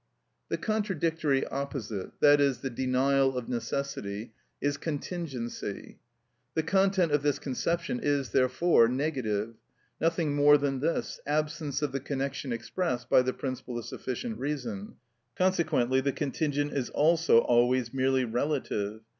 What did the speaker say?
The contradictory opposite, i.e., the denial of necessity, is contingency. The content of this conception is, therefore, negative—nothing more than this: absence of the connection expressed by the principle of sufficient reason. Consequently the contingent is also always merely relative.